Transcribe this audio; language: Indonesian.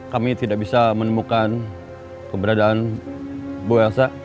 kami tidak bisa menemukan keberadaan bu elsa